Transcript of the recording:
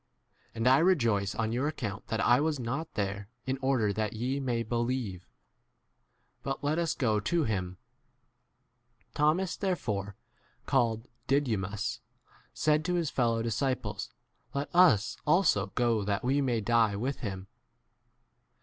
And I rejoice on your account that I was not there, in order that ye may believe. But 16 let us * go to him. Thomas there fore, called Didymus, d said to his fellow disciples, Let us also go that we may die with him.